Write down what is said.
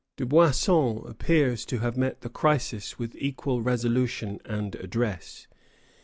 Dubuisson appears to have met the crisis with equal resolution and address.